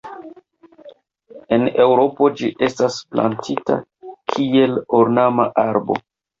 En Eŭropo ĝi estas plantita kiel ornama arbo.